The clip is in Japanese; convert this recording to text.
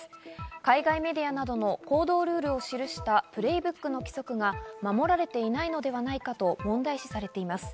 海外メディアなどの行動ルールを記したブレイブックの規則が守られていないのではないかと問題視されています。